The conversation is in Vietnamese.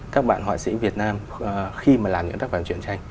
các bạn họa sĩ việt nam khi mà làm những tác phẩm chuyện tranh